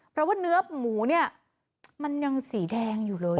เพราะว่าเนื้อหมูเนี่ยมันยังสีแดงอยู่เลย